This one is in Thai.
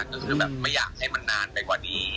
ก็คือแบบไม่อยากให้มันนานไปกว่านี้